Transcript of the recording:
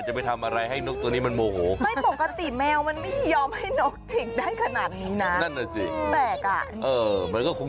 สบายตัวไม่แน่ใจแปลกเหมือนกัน